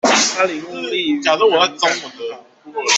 他領悟力與平衡感很好